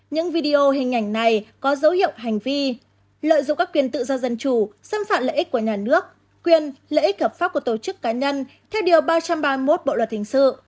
những video hình ảnh này có dấu hiệu hành vi lợi dụng các quyền tự do dân chủ xâm phạm lợi ích của nhà nước quyền lợi ích hợp pháp của tổ chức cá nhân theo điều ba trăm ba mươi một bộ luật hình sự